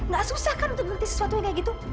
gak susah kan untuk berhenti sesuatu yang kayak gitu